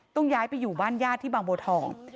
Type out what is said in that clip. ต้องย้ายไปอยู่บ้านญาติที่บางบัวทอง